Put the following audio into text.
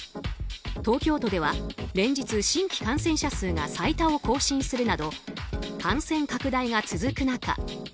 東京都では連日、新規感染者数が最多を更新するなど感染拡大が続く中